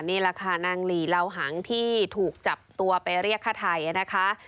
นี่แหละค่ะนางหลีเหล่าหังที่ถูกจับตัวไปเรียกฆ่าไทยนะคะ